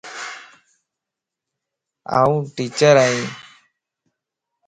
آن ٽيچر ائين